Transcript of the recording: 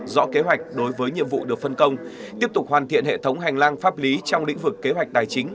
rõ kế hoạch đối với nhiệm vụ được phân công tiếp tục hoàn thiện hệ thống hành lang pháp lý trong lĩnh vực kế hoạch tài chính